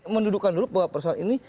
mendudukan dulu bahwa persoalan ini